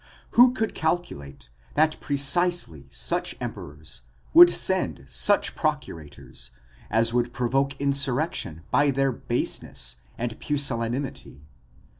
Who could calculate, that precisely such emperors, would send such procurators, as would provoke insurrection by their baseness and pusillanimity?